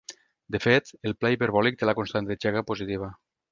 De fet, el pla hiperbòlic té la constant de Cheeger positiva.